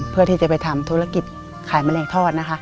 เพื่อที่จะไปทำธุรกิจขายแมลงทอดนะคะ